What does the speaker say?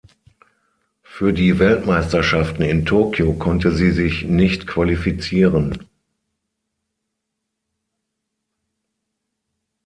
Für die Weltmeisterschaften in Tokio konnte sie sich nicht qualifizieren.